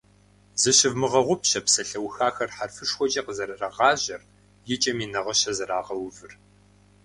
Зыщывмыгъэгъупщэ псалъэухахэр хьэрфышхуэкӀэ къызэрырагъажьэр, и кӀэми нагъыщэ зэрагъэувыр.